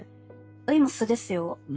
今素ですよ。